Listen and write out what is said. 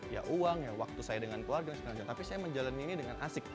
ya uang waktu saya dengan keluarga tapi saya menjalankan ini dengan asik